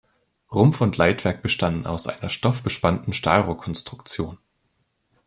Rumpf und Leitwerk bestanden aus einer stoffbespannten Stahlrohrkonstruktion.